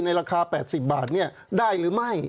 ในราคา๘๐บาทนี่ได้หรือไม่